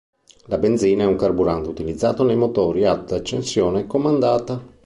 La benzina è un carburante utilizzato nei motori ad accensione comandata.